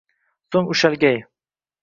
So’ng ushalgay